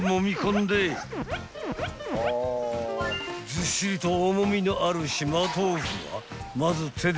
［ずっしりと重みのある島豆腐はまず］